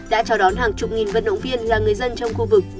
đã chào đón hàng chục nghìn vận động viên là người dân trong khu vực